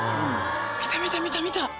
見た見た見た見た。